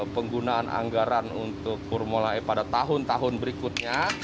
penggunaan anggaran untuk formula e pada tahun tahun berikutnya